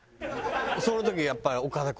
その時やっぱり岡田君